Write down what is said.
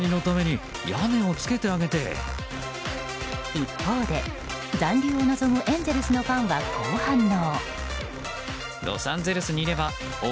一方で、残留を望むエンゼルスのファンは、こう反応。